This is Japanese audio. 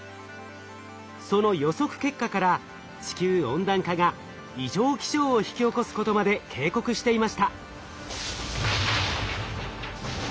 その予測結果から地球温暖化が異常気象を引き起こすことまで警告していました。